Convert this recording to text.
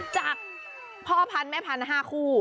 จากพ่อพันธุ์แม่พันธุ์๕คู่